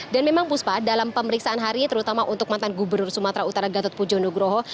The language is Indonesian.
dan memang puspa dalam pemeriksaan hari terutama untuk mantan gubernur sumatera utara gatot pujo nugroho